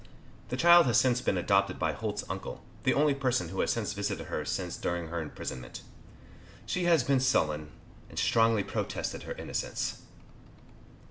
The child has since been adopted by Holt's uncle, the only person who has visited her since during her imprisonment. She has been sullen, and strongly protested her innocence.